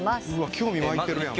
興味湧いてるやん。